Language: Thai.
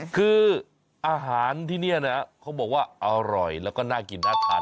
คืออาหารที่นี่นะเขาบอกว่าอร่อยแล้วก็น่ากินน่าทาน